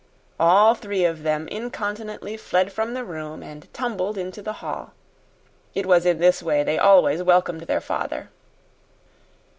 All three of them incontinently fled from the room and tumbled into the hall. It was in this way they always welcomed their father.